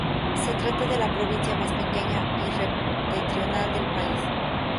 Se trata de la provincia más pequeña y septentrional del país.